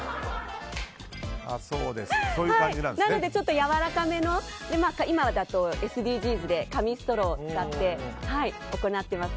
なので、ちょっとやわらかめの今だとＳＤＧｓで紙ストローを使って行ってます。